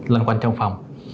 lên quanh trong phòng